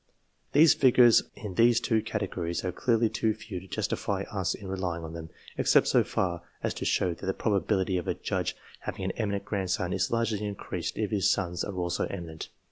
The figures in these two categories are clearly too few to justify us in relying on them, except so far as to show that the probability of a judge having an eminent grand son is largely increased if his sons are also eminent.